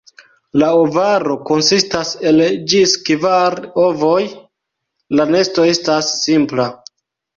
La ovaro konsistas el ĝis kvar ovoj, la nesto estas simpla.